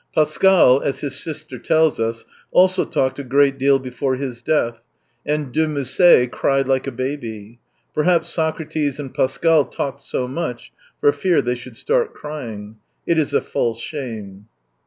Pascal, as his sister tells us, also talked a great deal before his death, and de Musset cried like a baby. Perhaps Socrates and Pascal talked so much, for fear they should start crying. It is a false shame